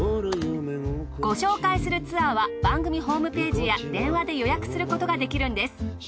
ご紹介するツアーは番組ホームページや電話で予約することができるんです。